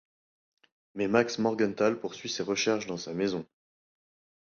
Mais Max Morgenthaler poursuit ses recherches dans sa maison.